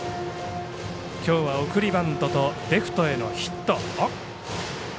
きょうは送りバントとレフトへのヒット。